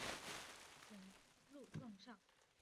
谨录状上。